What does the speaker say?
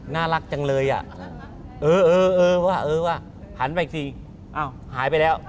น่ารักจังเลยอ่ะเออว่ะว่ะหันไปสิอ้าวหายไปแล้ว